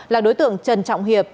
là đối tượng trần trọng hiệp